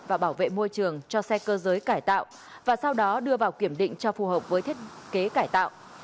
và bảo vệ môi trường cho xe cơ giới cải tạo và sau đó đưa vào kiểm định cho phù hợp với thiết kế cải tạo